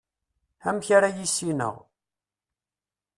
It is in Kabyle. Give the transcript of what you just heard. amek ara yissineɣ